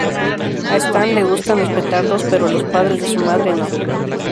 A Stan le gustan los petardos pero a los padres de su madre no.